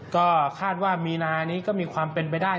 ก็คาดว่ามีนานี้ก็มีความเป็นไปได้